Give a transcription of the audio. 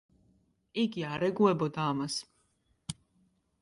იგი არ ეგუებოდა ამას.